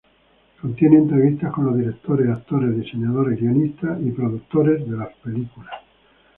Contiene entrevistas con los directores, actores, diseñadores, guionistas y productores de las películas.